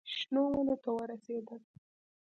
شنو ونو ته ورسېدل.